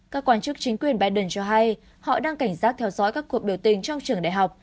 các quan chức chính quyền biden cho hay họ đang cảnh giác theo dõi các cuộc biểu tình trong trường đại học